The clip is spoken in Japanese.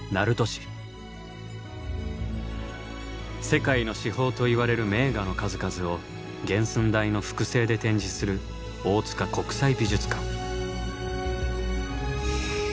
世界の至宝といわれる名画の数々を原寸大の複製で展示する大塚国際美術館。